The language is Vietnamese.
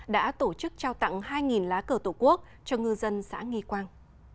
đã tổ chức trao tặng hai lá cờ tổ quốc cho ngư dân xã nghi quang